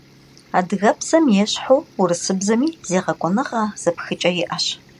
Адыгэбзэм ещхьу урысыбзэми зегъэкӏуэныгъэ зэпхыкӏэ иӏэщ.